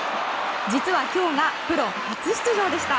実は今日がプロ初出場でした。